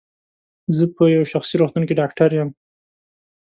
زه په یو شخصي روغتون کې ډاکټر یم.